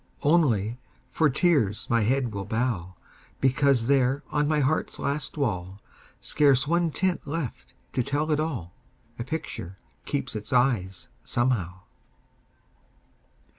Only, for tears my head will bow, Because there on my heart's last wall, Scarce one tint left to tell it all, A picture keeps its eyes, somehow.